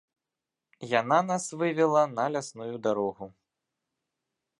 Яна нас вывела на лясную дарогу.